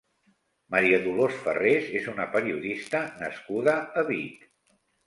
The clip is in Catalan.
Maria Dolors Farrés és una periodista nascuda a Vic.